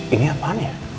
ini apaan ya